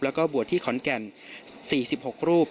แล้วก็บวชที่ขอนแก่น๔๖รูป